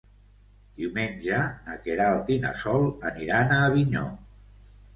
Diumenge na Queralt i na Sol aniran a Avinyó.